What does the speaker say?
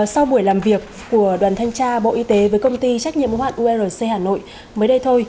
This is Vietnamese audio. sau buổi làm việc của đoàn thanh tra bộ y tế với công ty trách nhiệm mô hạn urc hà nội mới đây thôi